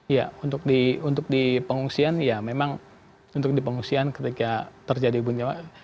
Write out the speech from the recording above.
iya untuk di pengungsian ya memang untuk di pengungsian ketika terjadi guncangan